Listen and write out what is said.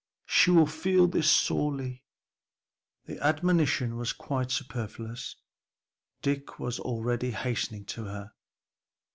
she will feel this sorely." The admonition was quite superfluous; Dick was already hastening to her.